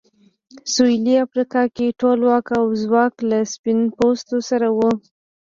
سوېلي افریقا کې ټول واک او ځواک له سپین پوستو سره و.